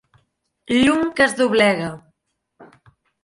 Llum que es doblega.